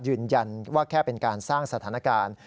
ยืนยันว่าแค่เป็นการสร้างสถานการณ์